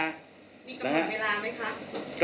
มีกระหมอยเวลาไหมคะ